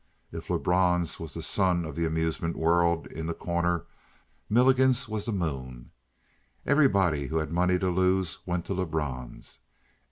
If Lebrun's was the sun of the amusement world in The Corner, Milligan's was the moon. Everybody who had money to lose went to Lebrun's.